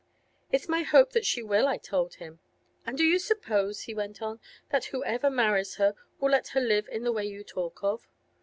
It's my hope that she will, I told him. "And do you suppose," he went on, "that whoever marries her will let her live in the way you talk of?